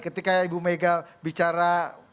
ketika ibu mega bicara